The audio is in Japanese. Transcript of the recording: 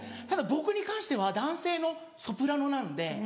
ただ僕に関しては男性のソプラノなんで。